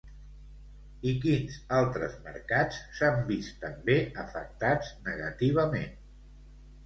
I quins altres mercats s'han vist també afectats negativament?